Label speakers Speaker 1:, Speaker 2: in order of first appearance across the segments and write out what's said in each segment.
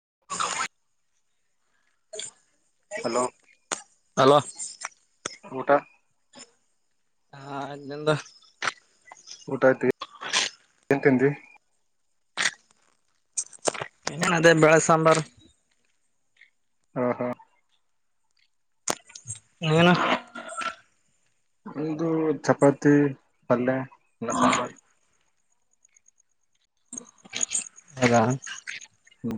Speaker 1: [unintelligible]
Speaker 2: Hello? [unintelligible]
Speaker 1: Hello? [unintelligible]
Speaker 2: ಊಟಾ? [unintelligible]
Speaker 1: ಆ ನಿಂದ [unintelligible]
Speaker 2: ಊಟ ಆತಾ ಏನ್ ತಂದಿ? [unintelligible]
Speaker 1: ಏನ್ ಅದೇ ಬೆಳೆ ಸಾಂಬಾರ? [unintelligible]
Speaker 2: ಹ ಹ [unintelligible]
Speaker 1: ನೀನ? [unintelligible]
Speaker 2: ಒಂದು ಚಪಾತಿ ಪಲ್ಲೆ ಅನ್ನ ಸಾಂಬಾರ. [unintelligible]
Speaker 1: ಹೌದಾ
Speaker 2: ಹು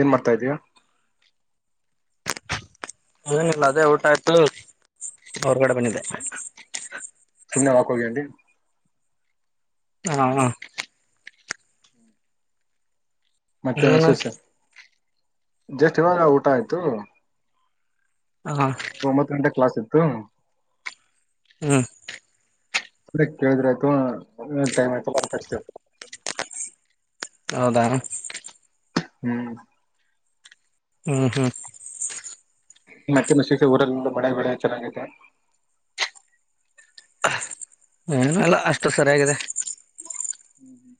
Speaker 2: ಏನ್ ಮಾಡ್ತಾ ಇದ್ದೀಯಾ? [unintelligible]
Speaker 1: ಏನಿಲ್ಲ ಅದೇ ಊಟ ಆಯ್ತು ಹೊರ್ಗಡೆ ಬಂದಿದ್ದೆ. [unintelligible]
Speaker 2: ಸುಮ್ನೆ ವಾಕ್ ಹೋಗಿದಿ. [unintelligible]
Speaker 1: ನಾವ್ [unintelligible]
Speaker 2: ಮತ್ತ ಏನ್
Speaker 1: ನೀನು
Speaker 2: ವಿಶೇಷ. [unintelligible] ಜಷ್ಟ್ ಇವಾಗ ಊಟ ಆಯ್ತು. [unintelligible]
Speaker 1: ಆ [unintelligible]
Speaker 2: ಒಂಬತ್ತು ಗಂಟೆ ಕ್ಲಾಸ್ ಇತ್ತು
Speaker 1: ಹ್ಮ್
Speaker 2: ಕೇಳಿದ್ರೆ ಆಯ್ತು ಟೈಮ್ ಆಯ್ತು ಬ ಕಷ್ಟ
Speaker 1: ಹೌದಾರ
Speaker 2: ಹ್ಮ್
Speaker 1: ಹ್ಮ್ ಹ್ಮ್
Speaker 2: ಮತ್ತೆ ಶಿಕ್ಷೆ ಊರಲ್ಲ ಮಳೆ ಬಳೆ ಚೆನ್ನಾಗೈಾಗಿದೆ
Speaker 1: ಹ್ಮಲ್ಲ ಅಷ್ಟು ಸರಿಯಾಗಿದೆ
Speaker 2: ಹ್ಮ್ ಹ್ಮ್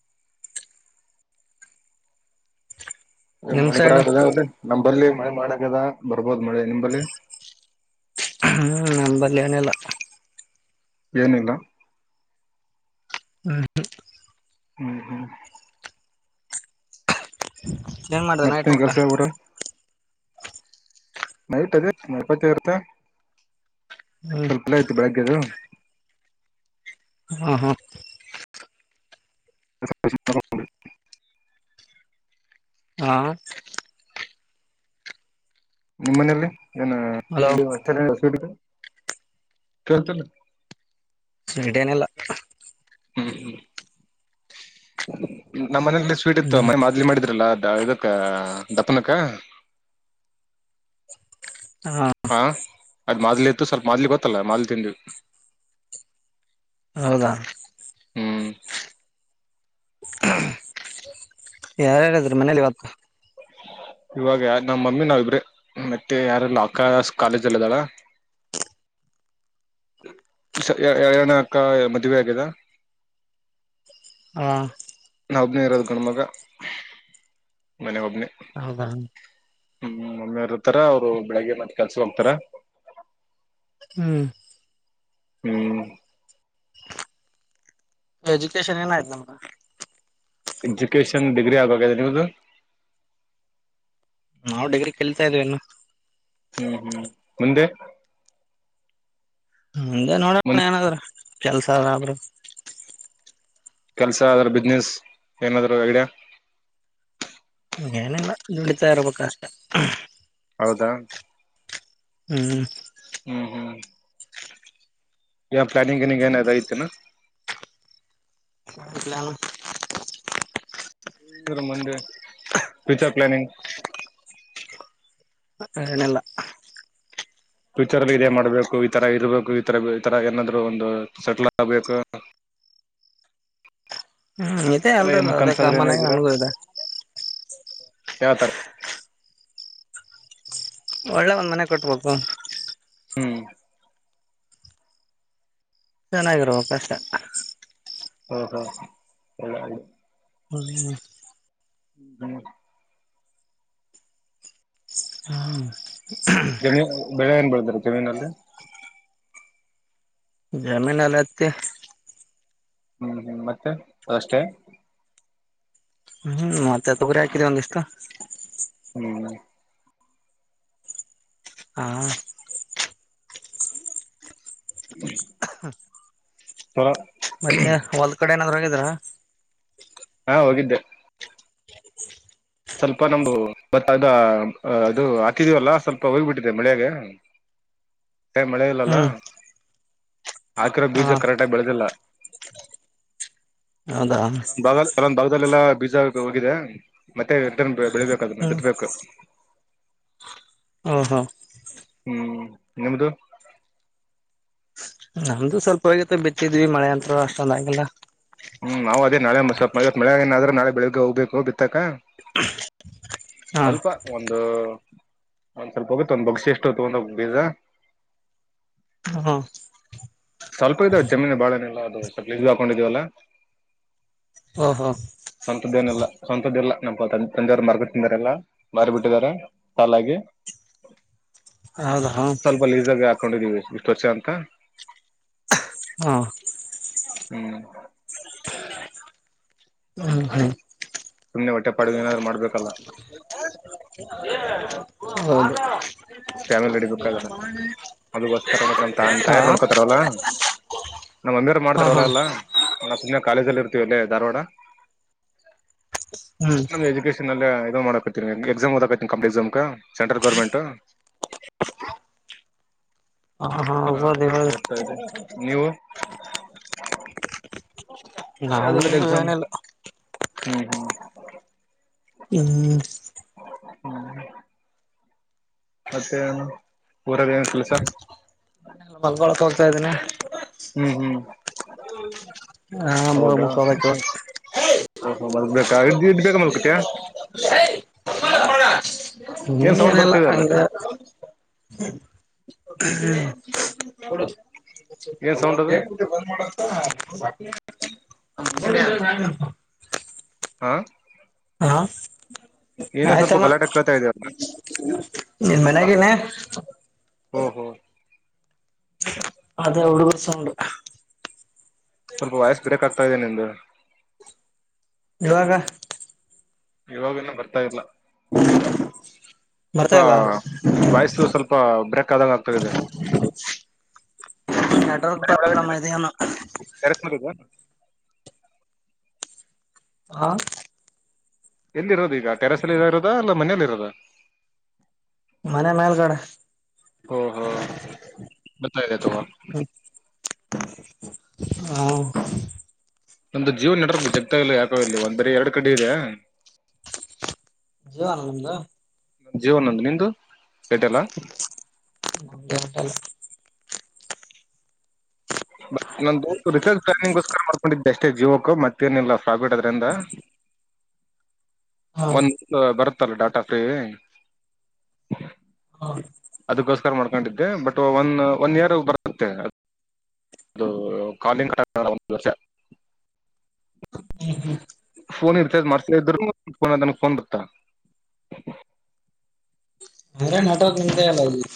Speaker 1: ನಿಮ್
Speaker 2: ಮಣಿಪರ
Speaker 1: ಸೈಡ್
Speaker 2: ಆಗ್ತದೆ ನಂಬರ್ಲಿ ಮಳೆ ಮಾಡಕದ ಬರ್ಬೋದು ಮಳೆ ನಿಂಬಲ್ಲಿ
Speaker 1: ನಂಬಲ್ಯಾಣ ಎಲ್ಲ
Speaker 2: ಏನಿಲ್ಲ
Speaker 1: ಹ್ಮ್
Speaker 2: ಹ್ಮ್ ಹ್ಮ್
Speaker 1: ಏನ್ ಮಾಡ್ದ ನೈಟ್
Speaker 2: ಮತ್ತನ
Speaker 1: ಊಟ
Speaker 2: ಕೆಲ್ಸ ಪೂರ ನೈಟ್ ಅದೇ ನಪತಿ ಇರುತ್ತ
Speaker 1: ಹ್ಮ್
Speaker 2: ಸ್ವಲ್ಪಲ್ಲ ಐತಿ ಬೆಳಗ್ಗೆದು
Speaker 1: ಹಾ ಹಾ ಹಾ
Speaker 2: ನಿಮ್ಮ್ ಮನಲಿ ಏನ
Speaker 1: ಹಲೋ
Speaker 2: ಕತಲ್ಲ
Speaker 1: ಸ್ಡೇನೆಲ್ಲ
Speaker 2: ಹ್ಮ್ ಹ್ಮ್ ನಮ್ಮ ಮನೇಲಿ ಸ್ವೀಟ್ ಇತ್ತು
Speaker 1: ಹ್ಮ್
Speaker 2: ಮನೆ ಮದ್ಲಿ ಮಾಡ ಲ್ಲ ಇದಕ್ಕ ದಪ್ಪನಕ್ಕ
Speaker 1: ಹ
Speaker 2: ಹಾ ಅದ್ ಮಾದ್ಲಿ ಇತ್ತು ಸ್ವಲ್ಪ ಮಾದ್ಲಿ ಗೊತ್ತಲ್ಲ ಮಾದ್ಲಿ ತಿಂಡಿ
Speaker 1: ಹೌದಾ
Speaker 2: ಹ್ಮ್
Speaker 1: ಯಾರ್ಯಾರ್ ಇದ್ರ್ ಮನೇಲಿ ಇವತ್ತು
Speaker 2: ಇವಾಗ ಯ ನಮ್ಮ ಮಮ್ಮಿ ನಾವಿಬ್ರೆ ಮತ್ತೆ ಯಾರಲ್ಲ ಅಕ ಕಾಲೇಜ್ ಅಲ್ಲ ಅದಳ. ಎರಡನೇ ಅಕ್ಕ ಮದುವೆ ಆಗದ
Speaker 1: ಹ
Speaker 2: ನಾ ಒಬ್ನೇ ಇರುವ ಮಗ ಮನೆ ಒಬ್ನಿ
Speaker 1: ಹೌದಾ
Speaker 2: ಹ್ಮ್ ಮಮ್ಮೆರ್ತಾರ ಅವ್ರು ಬೆಳಿಗ್ಗೆ ಮತ್ತೆ ಕೆಲ್ಸ ಹೋಗ್ತಾರ
Speaker 1: ಹ್ಮ್
Speaker 2: ಹ್ಮ್
Speaker 1: ವೆಜುಕೇಶನ್ ಏನಯ್ತು ನಮ್ರ
Speaker 2: ಎಜುಕೇಶನ್ ಡಿಗ್ರಿ ಆಗಾಗಿದೆ ನೀವುದು.
Speaker 1: ನಾವು ಡಗ್ರ ಕೇಲ್ತಾ ಇದವವಿನು.
Speaker 2: ಹ್ಮ್- ಹ್ಮ್ -ಮುಂದೆ.
Speaker 1: ಹಂಗೆ ನೋಡೋಣ
Speaker 2: ಮುಂದೆ
Speaker 1: ಏನಾದ್ರ ಕೆಲ್ಸಬ್ರು.
Speaker 2: ಕೆಲ್ಸ ಅದ್ರ ಬಿಸ್ನೆಸ್ ಏನಾದ್ ಎಗಡ.
Speaker 1: ಹಗೇನಿಲ್ಲ ನದುಡಿತಾ ಇರ್ಬೇಕಷ್ಟ.
Speaker 2: ಹೌದಾ.
Speaker 1: ಹ್ಮ್.
Speaker 2: ಹ್ಮ್ ಹ್ಮ್. ಯ ಪ್ಲಾನಿಂಗ್ ಏನಿಂಗ ಏನಾದ್ರು ಆಯ್ತೇನೋ
Speaker 1: ಇಲ್ಲ.
Speaker 2: ಇರ ಮಂದು ಫ್ಯೂಚರ್ ಪ್ಲಾನಿಂಗ್.
Speaker 1: ಇಲ್ಲ.
Speaker 2: ಫ್ಯೂಚರ್ಲ್ಲಿ ಇದೇ ಮಾಡ್ಬೇಕು ಈಥರ ಇರಬೇಕು ಈತರ ಈ ತರ ಏನಾದ್ರು ಒಂದು ಸೆಟ್ಲ್ ಆಗ್ಬೇಕು.
Speaker 1: ಹ್ಮ್ -ಇದೇ
Speaker 2: ಆತರ
Speaker 1: ಅಲ್ರಿ ಅದೇ ಕಾಮನ ಅನಗೂ ಇದೆ.
Speaker 2: ಯಾವತರ.
Speaker 1: ಒಳ್ಳೆ ಒಂದ್ ಮನೆ ಕೊಟ್ಬೇಕು.
Speaker 2: ಹ್ಮ್
Speaker 1: ಚೆನ್ನಾಗಿರ್ಬೇಕಷ್ಟೆ.
Speaker 2: ಹ್ಮ- ಹ್ಮ -ಎಲ್ಲ- ಅ.
Speaker 1: ಹ್ಮ್
Speaker 2: -ಹ್ಮ. -
Speaker 1: ಹ್ಮ-
Speaker 2: ಜಮೀನ್ ಬೆಳೆ ಏನ್ ಬೆಳಾದ್ರಿ ಜಮೀನಲ್ಲಿ.
Speaker 1: ಜಮೀನಲ್ಲ ಹತ್ತಿ.
Speaker 2: ಹ್ಮ್ -ಹ್ಮ್- ಮತ್ತೆ- ಅ -ಅಷ್ಟೇ.
Speaker 1: ಹ್ಮ್- ಮತ್ತೆ ತೊಗರಿ ಹಾಕಿದ ಒಂದಿಷ್ಟು.
Speaker 2: ಹ್ಮ್. -
Speaker 1: ಹಾ.
Speaker 2: ಹ್ಮ.
Speaker 1: ಮತ್ತೆ ಹೊಲ್ ಕಡೆ ಏನಾದ್ರೂ ಹೋಗಿದ್ರಾ.
Speaker 2: ಹಾ- ಹೋಗಿದ್ದೆ. ಸ್ವಲ್ಪ ನಮು ಮತ್ತ ಅದ ಅದು ಹಾಕಿದೀವಲ್ಲ ಸ್ವಲ್ಪ ಹೋಗ್ಬಿಟ್ಟಿದೆ ಮಳೆಯಾಗ. ಏ-ಮಳೆ ಇಲ್ಲಲ್ಲ.
Speaker 1: ಹ್ಮ್
Speaker 2: ಹಾಕಿರೋ
Speaker 1: ಹಾ
Speaker 2: ಬೀಜ ಕರೆಕ್ಟಗಿ ಬೆಳೆದಿಲ್ಲ.
Speaker 1: ಹೌದಾ.
Speaker 2: ಅಲ್ಲೊಂದ್ ಭಾಗಲ್ಲೆಲ್ಲಾ ಬೀಜ ಹೋಗಿದೆ ಮತ್ತೆನ್ ಬೆಳಬೇಕು ಅದನ್ನ
Speaker 1: ಹ್ಮ್
Speaker 2: ಬಿತ್ಬೇಕು
Speaker 1: ಹಾ- ಹಾ
Speaker 2: ಹ್ಮ್ -ನಿಮ್ಮದು.
Speaker 1: ನಮ್ದು ಸ್ವಲ್ಪ ಹೋಗತ್ತ ಬಿತ್ತಿದ್ವಿ ಮಳೆ ಅತ್ರ ಅಷ್ಟೊಂದ ಆಗಲ್ಲ.
Speaker 2: ಹ್ಮ್ -ನಾವವು ಅದೇ ನಾಳೆವ -ಮ -ಮಳ ಏನಾದ್ರೂ ನಾಳೆ ಬೆಳಿಗ್ಗೆ ಹೋಗ್ಬೇಕು ಬಿತ್ತಕ್ಕ.
Speaker 1: ಹಾ
Speaker 2: ಸ್ವಲ್ಪ- ಒ ಒಂದು ಒಂದ್ ಸ್ವಲ್ಪ ಹೋಗುತ್ತ ಒಂದ್ ಬಗ್ಸಿ ಎಷ್ಟು ತಗೊಂಡೋಗ ಬೀಜ.
Speaker 1: ಹ-
Speaker 2: ಸ್ವಲ್ಪ ಇದೆ ಜಮೀನು ಬಾಳ ಏನಿಲ್ಲ ಅದು ಸ್ವಲ್ಪ ಇಜ ಹಾಕೊಂಡಿದೀವಲ್ಲ.
Speaker 1: ಓಹೋ
Speaker 2: ಅಂತದ್ದೇನೆಲ್ಲ. ಸ್ವಂತದ ಇಲ್ಲಾ ನಮ್ಮ ತಂದೆಯವ್ರು ಮಾರ್ಕಟ್ಟ ತಿಂದರೆ ಎಲ್ಲ ಮಾರಿ ಬಿಟ್ಟಿದಿದ್ದಾರೆ ಸಾಲಾಗಿ.
Speaker 1: ಹೌದಾ ಹಾ
Speaker 2: ಸ್ವಲ್ಪ ಲೀಸಗ ಹಾಕೊಂಡಿದೀವಿ ಇಷ್ಟು ವರ್ಷ ಅಂತ.
Speaker 1: ಹಾ
Speaker 2: ಹ್ಮ್
Speaker 1: ಹ ಹಾ
Speaker 2: ಸುಮ್ನೆ ಹೊಟ್ಟೆ ಪಾಡುವ ಏನಾದ್ರು ಮಾಡ್ಬೇಕಲ್ಲ
Speaker 1: ಹೌದು
Speaker 2: ಕ್ಯಾಮಿಲ್ ರಡಿ ಬೇಕಾದ್ರ ಅದಕ್ಕೋಸ್ಕರ ನ
Speaker 1: ಹಾ
Speaker 2: ತಯಾರ ನೋಡ್ಕೋತಾರಲ್ಲ ನಮ್ಮ ಮಮ್ಮಿಾರ
Speaker 1: ಹಾ ಹಾ
Speaker 2: ಮಾಡ್ತಾರವಲ್ಲ ಎಲ್ಲ. ನಾ- ಸುಮ್ಮನೆ ಕಾಲೇಜಲ್ಲಿ ಇರ್ತೀವಿ ಎಲ್ಲ ಧಾರವಾಡ.
Speaker 1: ಹ್ಮ್-
Speaker 2: ಮಾಡಕ ಎಕ್ಸಾಮ್ ಓದಕತ ಕಂಪ್ಲಟ್ ಎಕ್ಸಾಮ್ ಸಂಟ್ರಲ್ ಗೌರ್ಮೆಂಟ್.
Speaker 1: ಹ
Speaker 2: ಹಾ
Speaker 1: ಹೌದು ಹೌದು
Speaker 2: -ಓದ್ತಾ ಇದೆ ನೀವು
Speaker 1: ನಂದ
Speaker 2: ಯಾವ್ದಾದ್ರು ಎಕ್ಸಾಮ್
Speaker 1: ಸಗನಲ್ಲ.
Speaker 2: ಹ್ಮ್ -ಹ್ಮ್
Speaker 1: ಹ್ಮ್-
Speaker 2: ಹ್ಮ್ ಮತ್ತೆ ಊರದ ಏನ್ ಕೆಲ್ಸ.
Speaker 1: ಮಲ್ಗೊಳಕ್ ಹೋಗ್ತಾ ಇದ್ದೀನ.
Speaker 2: ಹ್ಮ್ ಹ್ಮ್
Speaker 1: ಹಾ ಮ
Speaker 2: ಹೌದಾ
Speaker 1: ಮುಖದಕ್ಕೆ
Speaker 2: ಓಹೋ ಮಲ್ಕ್ಬೇಕಾ ಇ್ದ ಇಡ್ ಬೇಕ ಮಲ್ಕತಯ
Speaker 1: ಇನ್ನ
Speaker 2: ಸೌಂಡ್
Speaker 1: ನಲ್ಲ
Speaker 2: ಬರ್ತಾ ಇದೆಯಲ್ಲ
Speaker 1: ಅಂಗ ಹ್ಮ್
Speaker 2: ಏನ್ ಸೌಂಡ್ ಅದು
Speaker 1: ಒಂದ್
Speaker 2: ಹಾ ಏನೋ ಸ್ವಲ್ಪ
Speaker 1: ಆಯ್ತಮ್ಮ
Speaker 2: ಗಲಾಟೆ ಕೇಳ್ತಾ ಇದೆಯಲ್ಲ
Speaker 1: ನಿನ್ ಮನ್ಗಿನೇ
Speaker 2: ಹ್ಮ್ ಹ್ಮ್
Speaker 1: ಅದ ಎಡು ಕುಸ ಉಂಡ
Speaker 2: ಸ್ವಲ್ಪ ವಯಸ್ಸು ಬಿಡಕ್ ಆ್ತದೆ ನಿಮ್ದ
Speaker 1: ಇವಾಗ
Speaker 2: ಇರಾಗನ ಬರ್ತಾ ಇಲ್ಲ ಸ್ವಲ್ಪ
Speaker 1: ಬರ್ತಾ ಇಲ್ಲ
Speaker 2: ವಯಸ್ಸು ಸ್ವಲ್ಪ ಬ್ರಕ್ ಕದ ಆಗ್ತ ಇದೆ
Speaker 1: ನೆಟ್ವರ್ಕ್
Speaker 2: ಮನ ಒಳ
Speaker 1: ಪ್ರಾಬ್ಲಮ್ ಇದೆಯೇನೋ
Speaker 2: ಕೆರೆಸ್ ಮಾಡದು
Speaker 1: ಹಾ
Speaker 2: ಎಲ್ಲಿ ಇರೋದು ಈಗ ಟೆರಸ್ ಅಲ್ಲಿ ಇರೋದಾ ಇಲ್ಲ ಮನೇಯಲ್ಲಿ ಇರೋದ
Speaker 1: ಮನೆ ಮೇಲ್ಗಡೆ
Speaker 2: ಓ ಹೋ ಬತಿದೆತ
Speaker 1: ಹ
Speaker 2: ನಮ್ದ ಜೀವನ ನಡರ ಜಗ್ತ ಇಲ್ಲ ಯಾಕ ಇಲ್ಲಿ ಒಂದರಿ ಎರಡ್ ಕಡೆ ಇದೆ
Speaker 1: ಜವ ಆನಂದ
Speaker 2: ನ ಜೀವನೊಂದು ನಿಂದುಟಲ್ಲ
Speaker 1: ಟಲ್ಲ
Speaker 2: ಬ ನ ರಿಸರ್ಚ್ ಪ್ಲಾನಿಂಗ್ಗೋಸ್ಕರ ಮಾಡ್ಕೊಂಡಿದ್ದೆ ಅಷ್ಟೇ ಜೀವೋಕ್ ಮತ್ತೇನಿಲ್ಲ ಪ್ರಾಫಿಟ್ ಅದ್ರಿಂದ
Speaker 1: ಹ
Speaker 2: ಒಂದ ಬರ್ ತಲ್ಲ ಟ ಸ
Speaker 1: ಹ
Speaker 2: ಅದಕ್ಕೋಸ್ಕರ ಮಾಡ್ಕೊಂಡಿದ್ದೆ ಬಟ್ ಒನ್ ಒನ್ ಇಯರ್ ಬರುತ್ತೆ ಅದು ಕಾಲನ್ ಕಟ್ಟ ಒಂದು ದಷ ಫೋನ್ ಇರ್ತ ಮಾಡಾರ್ಸ ಇದ್ರುನ ಫೋನ್ ಬರ್ತ್ತ
Speaker 1: ಅಂದ್ರೆ ನಟೋ ನಿಂತ ಅಲ್ಲ ಇಲ್ಲಿ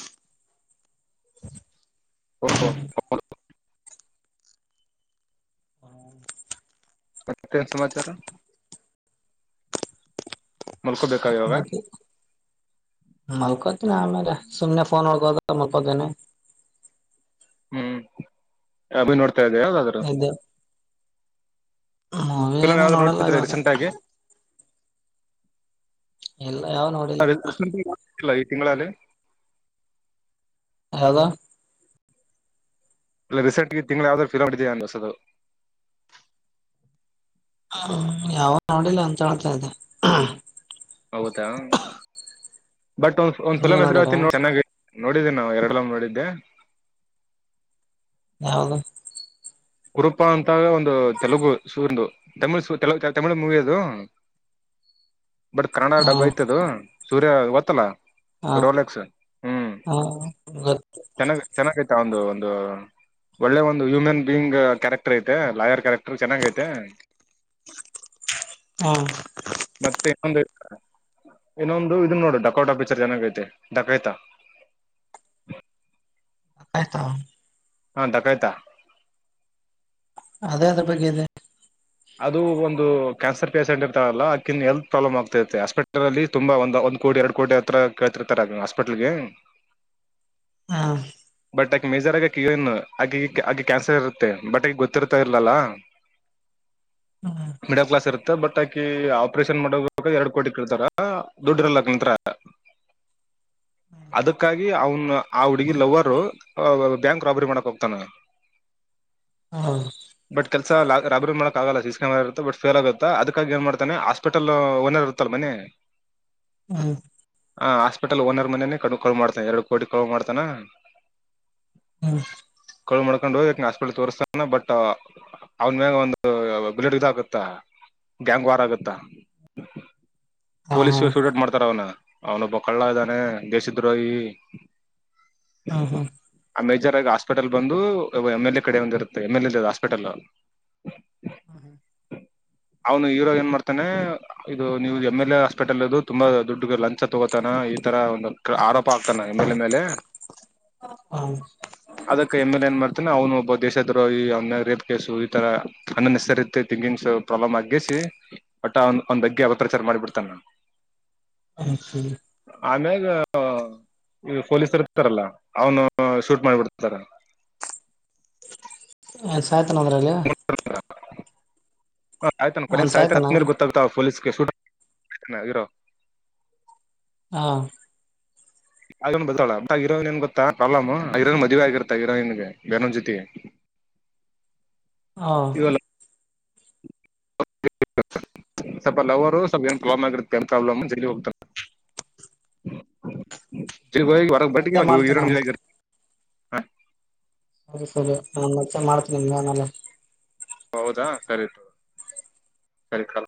Speaker 2: ಹ ಮತ್ತನ್ ಸಮಾಚಾರ ಮಲ್ಕೋಬೇಕಾ ಇವಾಗ
Speaker 1: ಮತ್ತ ಮಲ್ಕತ್ತನ ಸುಮ್ಮನೆಫೋನ್ ಮಪ್ಪದನೆ
Speaker 2: ಹ್ಮ್ ಅಭಿ ನೋಡ್ತಾ ಇದೆಯಾ ಯಾವ್ದಾದ್ರೂ
Speaker 1: ಇದ್ದೆ ಮೂವಿ
Speaker 2: ಫಿಲ್ಮ್
Speaker 1: ಏನು
Speaker 2: ಯಾವ್ದ್ ಆದ್ರು
Speaker 1: ನೋಡಲ್ಲ
Speaker 2: ನೋಡ್ತಿದ್ರಿ
Speaker 1: ಇವಾಗ
Speaker 2: ರೀಸೆಂಟ್ ಆಗಿ
Speaker 1: ಎಲ್ಲ ಯಾವ ನೋಡಿಲ್ಲ
Speaker 2: ಇಲ್ಲಾ ಈ ತಿಂಗಳಲ್ಲಿ
Speaker 1: ಹದಾ
Speaker 2: ಇಲ್ಲ ರೀಸೆಂಟ್ಗೆ ತಿಂಳ ಯಾವ್ದಾದ್ರು ಫೀಲ್ ಮಾಡಿದ ಅನ್ಸದು
Speaker 1: ಹ್ಮ ಯಾವ ನೋಡಿಿಲ್ಲ ಅಂತ ಹೇಳ್ತಾ ಇದೆ
Speaker 2: ಹೌದಾ ಬಟ್ ಒಂದ ಒಂದ್ ಸ್ಲ
Speaker 1: ನೀವ್
Speaker 2: ಮಸರು
Speaker 1: ನೋಡ್ಯಾರ
Speaker 2: ಆತ ನೋ ಚೆನ್ನಾಗಿ ನೋಡಿದ್ದೆ ನಾವು ಎರಡ ನೋಡಿದ್ದೆ
Speaker 1: ಹೌದು
Speaker 2: ಕುರುೂಪ ಅಂತಾಗ ಒಂದು ತೆಲುಗು ಶೂರ್ಂದು ತಮಿಳ್ ತೆ ತಮಿಳ್ ಮೂವಿ ಅದು ಬಟ್ ಕಡ
Speaker 1: ಹ
Speaker 2: ಡಬ್ಬ ಐ್ತದು ಸೂರ್ಯ ಗತ್ತಲ್ಲ
Speaker 1: ಹಾ ಹಾ
Speaker 2: ಚೆನ್ನಾಗ್ ಚೆನ್ನಾಗೈತ ಒಂದು ಒಂದು ಒಳ್ಳೆ ಒಂದು ಹ್ಯೂಮನ್ ಬೀಯಿಂಗ್ ಕ್ಯಾರೆಕ್ಟರ್ ಐತೆ ಲಾಯರ್ ಕ್ಯಾರೆಕ್ಟರ್ ಚೆನ್ನಾಗ ಐತೆ
Speaker 1: ಹ
Speaker 2: ಮತ್ತೆ ಇನೊಂದು ಇನ್ನೊಂದು ಇದನ್ ನೋಡು ಡಕೌಟ ಪಿಕ್ಚರ್ ಚೆನ್ನಾಗ ಐತೆ ಡಕೆತಾ
Speaker 1: ಆಯ್ತಾ
Speaker 2: ಹ ಡಾಕೆತ
Speaker 1: ಅದೇ ಎದುರ್ಬಗ್ಗೆ ಇದೆ
Speaker 2: ಅದು ಒಂದು ಕ್ಯಾನ್ಸರ್ ಪೇಷೆಂಟ್ ಇರ್ತಾರಲ್ಲ ಆಕಿನ್ ಹೆಲ್ತ್ ಪ್ರಾಬ್ಲಮ್ ಆಗ್ತತೆ ಹಾಸ್ಪಿಟಲ್ ಅಲ್ಲಿ ತುಂಬಾ ಒಂದು ಒಂದ್ ಕೋಟಿ ಎರಡು ಕೋಟಿ ಹತ್ರರ ಕೇಳ್ತಿರ್ತಾರೆ ಹಾಸ್ಪಿಟ್ಲ್ಗೆ
Speaker 1: ಹಾ
Speaker 2: ಬಟ್ ಆಕಿ ಮೇಜರ್ ಆಗಿ ಏನು ಆಕಿ ಅಕಿಗೆ ಕ್ಯಾನ್ಸರ್ ಇರುತ್ತೆ ಬಟ್ ಈಗ ಗೊತ್ತಿರ್ತಾ ಇರ್ಲಲ್ಲಾ [unintelligible]
Speaker 1: ಹಾ
Speaker 2: ಮಿಡಲ್ ಕ್ಲಾಸ್ ಇರುತ್ತೆ ಬಟ್ ಆಕಿ ಆಪರೇಷನ್ ಮಾಡಬೇಕ ಎರಡ್ ಕೋಟಿ ಕೇಳ್ತಾರಾ ದುಡ್ ಇರಲ ಅಕಿನ ಹತ್ರ [unintelligible] ಅದಕ್ಕಾಗಿ ಅವನ್ ಆ ಹುಡ್ಗಿ ಲವರು ಬ್ಯಾಂಕ್ ರಾಬರಿ ಮಾಡಕ್ ಹೋಗ್ತಾನ
Speaker 1: ಹ ಹ್ಮ್
Speaker 2: ಬಟ್ ಕೆಲ್ಸಾ ರಾಬರಿ ಮಾಡ ಆಗಲ್ಲ ಸಿ ಸಿ ಕ್ಯಾಮೆರಾ ಇರುತೆ ಬಟ್ ಫೇಲ್ ಆಗುತ್ತೆ ಅದಕ್ಕಾಗಿ ಏನ್ ಮಾಡ್ತಾನೆ ಹಾಸ್ಪಿಟಲ್ ಓನರ್ ಇರತಲ ಮನೆ [unintelligible] ಹ ಹಾಸ್ಪಿಟಲ್ ಓನರ್ ಮನೇನೆೇ ಕಳ ಮಾಡ್ತಾನ ಎರಡು ಕೋಟಿ ಕಳು ಮಾಡ್ತಾನೆ [unintelligible]
Speaker 1: ಹ್ಮ್
Speaker 2: ಕಳ್ ಮಾಡ್ಕೊಂಡ್ ಹೋಗಿ ಅಕಿನ ಹಾಸ್ಪಿಟಲ್ ತೋರ್ಸ್ತಾನ ಬಟ್ ಅವನ್ ಮ್ಯಾಗ ಒಂದ ಬುಲೆಟ್ ಇದ ಆಗತ್ತಾ ಗ್ಯಾಂಗ್ ವಾರ್ ಆಗತ್ತಾ
Speaker 1: ಹಾ
Speaker 2: ಪೊಲೀಸ್
Speaker 1: ಹಾ
Speaker 2: ಶೂಟ್ ಮಾಡ್ತಾರ ಅವನ ಅವನೊಬ್ಬ ಕಳ್ಳ ಇದ್ದಾನೆ ದೇಶದ್ರೋಹಿ
Speaker 1: ಹಾ ಹಾ
Speaker 2: ಮೇಜರಾಗಿ ಹಾಸ್ಪಿಟಲ್ ಬಂದು ಎಮ್ ಎಲ್ ಎ ಕಡೆ ಒಂದಿರುತ್ತೆ ಎಂ ಎಲ್ ಎ ಹಾಸ್ಪಿಟಲ್
Speaker 1: ಹ್ಮ ಹಾ
Speaker 2: ಹ [unintelligible] ಅವನು ಹೀರೋ ಏನ್ ಮಾಡ್ತಾನೆ ಇದು ನೀವು ಎಮಂ ಎಲ್ ಎ ಹಾಸ್ಪೆಟಲ್ ಇದು ತುಂಬಾ ದುಡ್ಡು ಲಂಚ ತಗೋತಾನ ಈ ತರ ಒಂದು ಆರೋಪ ಹಾಕ್ತಾನೆ ಎಂ ಎಲ್ ಏ ಮೇಲೆ
Speaker 1: [unintelligible]
Speaker 2: ಅದಕ್ಕೆ ಎಮ್ ಎಲ್ ಏನ್ ಮಾಡ್ತಾನೆ ಅವನು ಒಬ್ಬ ದೇಶದ್ರೋಹಿ ಅವನ ಮ್ಯಾಗ ರೇಪ್ ಕೇಸು ಈ ತರ ಅನ್ನೆಸಸಸರಿ ಥಿಂಕಿಂಗ್ಸ್ ಪ್ರಾಬ್ಲಮ್ ಆಗಿಸಿ ಒಟ್ಟ ಅವ್ನ್ ಅವ್ನಬಗ್ಗೆ ಅಪ್ರಚಾರ ಮಾಡಿಬಿಡ್ತನ [unintelligible]
Speaker 1: ಹಾ ಸರಿ
Speaker 2: ಆಮೆಗ ಈ ಪೊಲೀಸರು ಇರ್ತಾರಲ್ಲ ಅವನು ಶೂಟ್ ಮಾಡಿಬಿಡ್ತತಾರ. [inaudible]
Speaker 1: ಏನ್ ಸಾಯ್ತನ ಅದ್ರಲ್ಲಿ?
Speaker 2: ಹ ಸಾಯ್ತನ್ ಕೊನೆ
Speaker 1: ಅವನ್
Speaker 2: ಸಾಯ್ತಾನ್
Speaker 1: ಸಾಯ್ತಾನ
Speaker 2: ಕ್ಲಿಯರ್ ಗೊತ್ತಾಗತಾವ ಪೋಲೀಸ್ [unintelligible]
Speaker 1: ಹಾ
Speaker 2: ಹಂತ ಹೀರೋಯಿನ್ ಏನ್ ಗೊತಾ ಪ್ರಾಬ್ಲೆಮ್ ಹೀರೋಯಿನ್ ಮದುವೆ ಆಗಿರುತೆ ಹೀರೋಯಿನ್ಗೆ ಬೇರನ್ ಜೊತಿ [inaudible]
Speaker 1: ಹಾ
Speaker 2: [unintelligible] ಸ್ವಲ್ಪ ಲವರು ಸ್ವಲ್ಪ ಏನ್ ಪ್ರಾಬ್ಲಮ್ ಆಗಿರುತ್ತೆ ಏನ್ ಪ್ರಾಬ್ಲ್ಮೂ ಜೈಲಿಗೆ ಹೋಗಿರ್ತಾನೆ
Speaker 1: ಮತ್ತೆ ಮಾಡ್ತೇನ
Speaker 2: [unintelligible] [unintelligible]
Speaker 1: ಸರಿ ಸರಿ ನಾನ ಮತ್ತೆ ಮಾಡ್ತೀನಿ ನೀನ್ ಆಮೇಲೆ
Speaker 2: ಹೌದಾ ಸರಿ ಸರಿ ಕ